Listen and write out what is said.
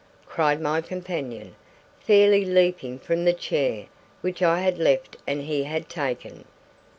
cried my companion, fairly leaping from the chair which I had left and he had taken.